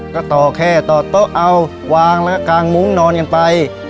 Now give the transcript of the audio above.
ก็ต่อแค่ต่อโต๊ะเอาวางนะฮะกางมุ้งนอนกันไป